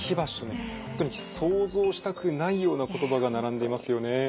本当に想像したくないような言葉が並んでいますよね。